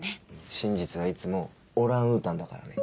真実はいつもオランウータンだからね。